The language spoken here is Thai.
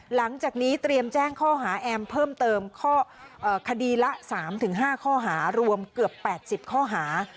หลังจากนี้เตรียมแจ้งข้อหาแอมเพิ่มเติมคดีละ๓๕ข้อหารวมเกือบ๘๐ข้อหา